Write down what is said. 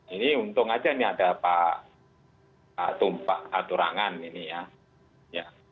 ini untung aja ini ada pak tumpak aturangan ini ya